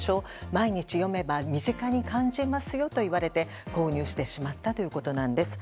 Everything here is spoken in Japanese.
毎日読めば身近に感じますよと言われて購入してしまったということなんです。